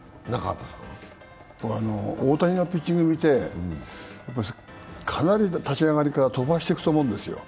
大谷のピッチング見てかなり立ち上がりから飛ばしていくと思うんですよ。